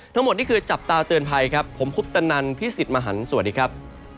ทั้งหมดนี่คือจับตาเตือนภัยครับผมคุปตนันพี่สิทธิ์มหันฯสวัสดีครับ